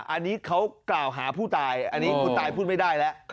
อันนี้เขากล่าวหาผู้ตายอันนี้ผู้ตายพูดไม่ได้แล้ว